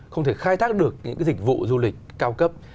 không thể khai thác được những cái dịch vụ du lịch cao cấp